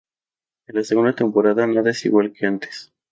En la Segunda temporada nada es igual que antes.